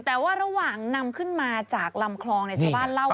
แต่ว่าระหว่างนำขึ้นมาจากลำคลองในชาวบ้านเล่า